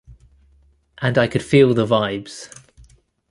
And I could feel the vibes.